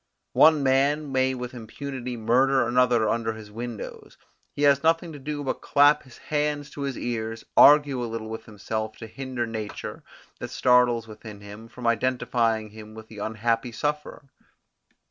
One man may with impunity murder another under his windows; he has nothing to do but clap his hands to his ears, argue a little with himself to hinder nature, that startles within him, from identifying him with the unhappy sufferer.